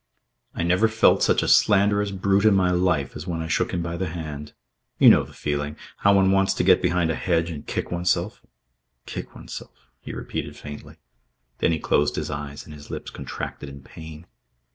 "I never felt such a slanderous brute in my life as when I shook him by the hand. You know the feeling how one wants to get behind a hedge and kick oneself. Kick oneself," he repeated faintly. Then he closed his eyes and his lips contracted in pain.